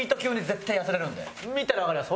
見たらわかります。